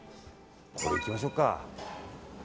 これいきましょうか。